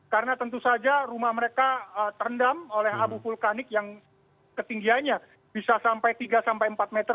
karena tentu saja rumah mereka terendam oleh abu vulkanik yang ketinggianya bisa sampai tiga sampai empat meter